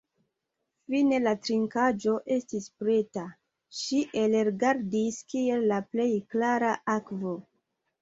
Fine la trinkaĵo estis preta; ŝi elrigardis kiel la plej klara akvo.